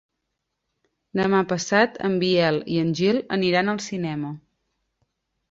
Demà passat en Biel i en Gil aniran al cinema.